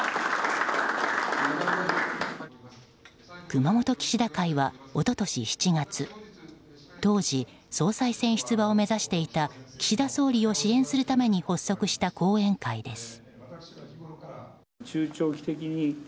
熊本岸田会は一昨年７月当時、総裁選出馬を目指していた岸田総理を支援するために発足した後援会です。